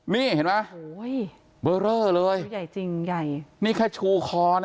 นี่เห็นไหมโอ้โหเบอร์เรอเลยใหญ่จริงใหญ่นี่แค่ชูคอนะ